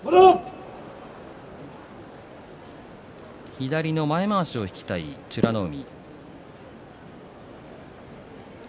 左の前まわしを引きたい美ノ海。